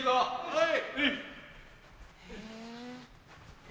はい。